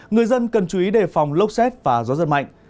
người dân cần chú ý đề phòng lốc xét và gió giật mạnh